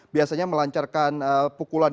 biasanya melancarkan pukulan